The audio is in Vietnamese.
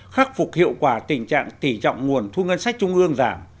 khắc phục hiệu quả tình trạng tỉ trọng nguồn thu ngân sách trung ương giảm